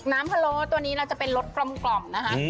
น้ำพะโลปตัวนี้จะเป็นรสกลอมนะครับ